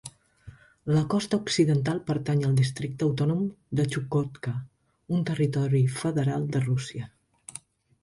La costa occidental pertany al districte autònom de Chukotka, un territori federal de Rússia.